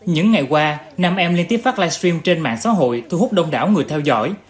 những ngày qua nam em liên tiếp phát livestream trên mạng xã hội thu hút đông đảo người theo dõi